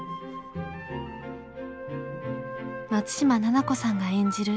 松嶋菜々子さんが演じる